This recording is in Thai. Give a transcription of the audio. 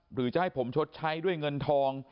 หรือจะให้ผมชดใช้ด้วยเงินทอง